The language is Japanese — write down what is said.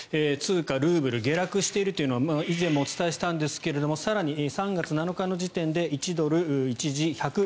通貨・ルーブル下落しているというのは以前もお伝えしたんですが更に、３月７日の時点で１ドル一時１５０